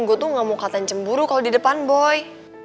gua tuh gak mau katan cemburu kalo di depan boy